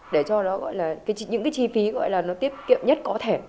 để cho nó gọi là những cái chi phí gọi là nó tiết kiệm nhất có thể